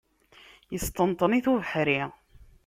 Yesṭenṭen-it ubeḥri.